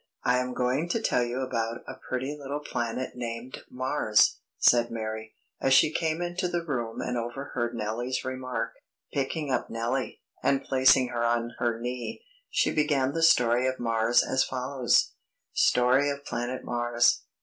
"I am going to tell you about a pretty little planet named Mars," said Mary, as she came into the room and overheard Nellie's remark. Picking up Nellie, and placing her on her knee, she began the story of Mars as follows: STORY OF PLANET MARS.